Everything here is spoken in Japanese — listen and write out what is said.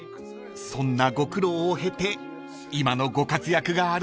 ［そんなご苦労を経て今のご活躍があるんですね］